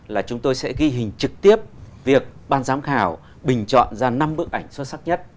là chúng tôi sẽ ghi hình trực tiếp việc ban giám khảo bình chọn ra năm bức ảnh xuất sắc nhất